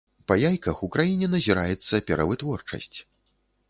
Па яйках ў краіне назіраецца перавытворчасць.